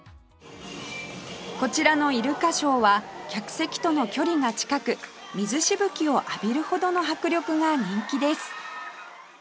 こちらのイルカショーは客席との距離が近く水しぶきを浴びるほどの迫力が人気です